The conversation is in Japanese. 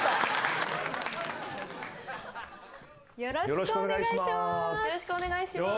よろしくお願いします。